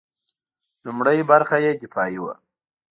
لومړۍ برخه یې دفاعي وه.